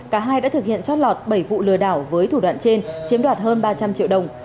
cả hai đã thực hiện trót lọt bảy vụ lừa đảo với thủ đoạn trên chiếm đoạt hơn ba trăm linh triệu đồng